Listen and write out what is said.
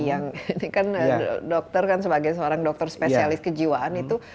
yang ini kan dokter kan sebagai seorang dokter spesialis kejiwaan itu